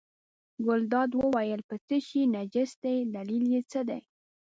ګلداد وویل په څه شي نجس دی دلیل یې څه دی.